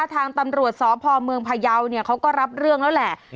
ทางตำรวจสพเมืองพยาวเนี่ยเขาก็รับเรื่องแล้วแหละ